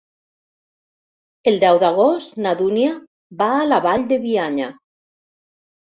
El deu d'agost na Dúnia va a la Vall de Bianya.